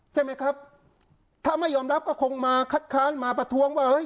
ใช่ไหมครับถ้าไม่ยอมรับก็คงมาคัดค้านมาประท้วงว่าเฮ้ย